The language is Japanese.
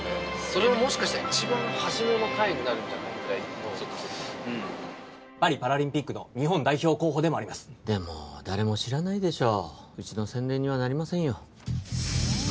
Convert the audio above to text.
それももしかしたら一番初めの回になるんじゃないぐらいのそっかそっかパリパラリンピックの日本代表候補でもありますでも誰も知らないでしょうちの宣伝にはなりませんよ